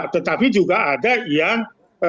tetapi juga ada yang